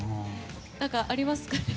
何かありますか？